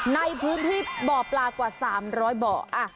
ในภูมิที่เบาะปลากว่า๓๐๐เบาะ